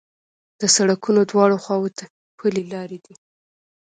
د سړکونو دواړو خواوو ته پلي لارې دي.